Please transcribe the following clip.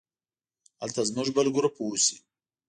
هلته زموږ بل ګروپ اوسي.